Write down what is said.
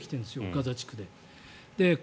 ガザ地区で。